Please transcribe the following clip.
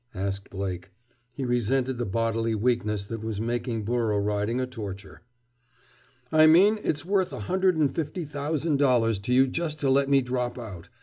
asked Blake. He resented the bodily weakness that was making burro riding a torture. "I mean it's worth a hundred and fifty thousand dollars to you just to let me drop out.